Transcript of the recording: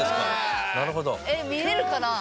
えっ見れるかな？